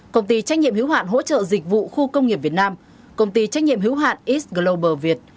công ty trách nhiệm hữu hạn hỗ trợ dịch vụ khu công nghiệp việt nam công ty trách nhiệm hữu hạn is global việt